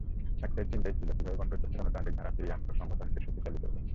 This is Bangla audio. একটা চিন্তাই ছিল, কীভাবে গণতান্ত্রিক ধারা ফিরিয়ে আনব, সংগঠনকে শক্তিশালী করব।